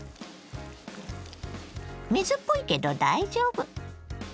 水っぽいけど大丈夫。